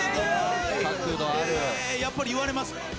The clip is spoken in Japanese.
やっぱり言われますか？